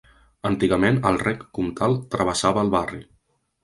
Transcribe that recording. Antigament el Rec Comtal travessava el barri.